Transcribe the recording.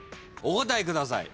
お答えください。